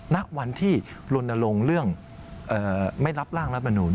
ณวันที่ลนลงเรื่องไม่รับร่างรัฐมนุน